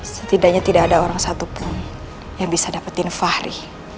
setidaknya tidak ada orang satupun yang bisa dapetin fahri